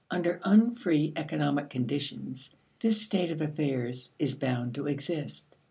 Under unfree economic conditions, this state of affairs is bound to exist.